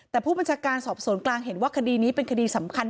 แต่ผู้บัญชาการสอบสวนกลางเห็นว่าคดีนี้เป็นคดีสำคัญ